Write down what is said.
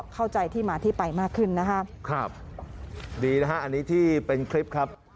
เข้าใจที่มาที่ไปมากขึ้นนะฮะครับดีนะฮะอันนี้ที่เป็นคลิปครับ